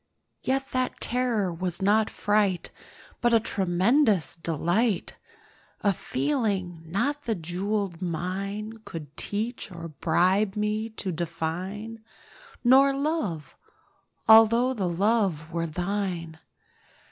Yet that terror was not fright, But a tremulous delight— A feeling not the jewelled mine Could teach or bribe me to define— Nor Love—although the Love were thine.